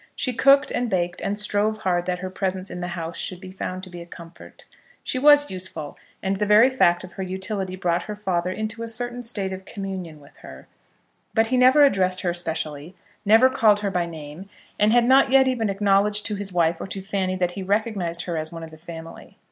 She cooked, and baked, and strove hard that her presence in the house should be found to be a comfort. She was useful, and the very fact of her utility brought her father into a certain state of communion with her; but he never addressed her specially, never called her by her name, and had not yet even acknowledged to his wife or to Fanny that he recognised her as one of the family.